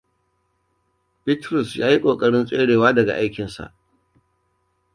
Bitrus ya yi ƙoƙarin ya tserewa daga aikinsa.